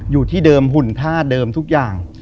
อยู่ที่เดิมหุ่นผ้าเดิมทุกอย่าง